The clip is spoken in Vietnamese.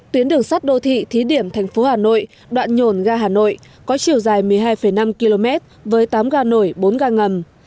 tuyến đường sắt đô thị thí điểm thành phố hà nội đoạn nhổn ga hà nội có chiều dài một mươi hai năm km với tám ga nổi bốn ga ngầm